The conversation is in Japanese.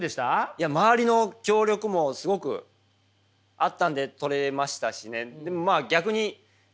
いや周りの協力もすごくあったので取れましたしね。